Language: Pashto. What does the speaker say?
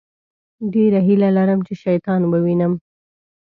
ډېره هیله لرم چې شیطان ووينم.